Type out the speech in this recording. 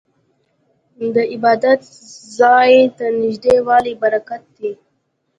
د عبادت ځای ته نږدې والی برکت دی.